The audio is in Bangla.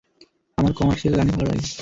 আমার কমার্শিয়াল গানই ভালো লাগে।